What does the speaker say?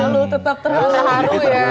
kalau tetap terharu haru ya